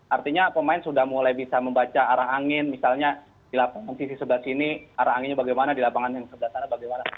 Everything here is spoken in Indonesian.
artinya pemain sudah mulai bisa membaca arah angin misalnya di lapangan sisi sebelah sini arah anginnya bagaimana di lapangan yang sebelah sana bagaimana